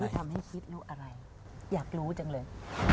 ทำให้คิดรู้อะไรอยากรู้จังเลย